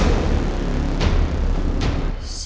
tidak ada apa apa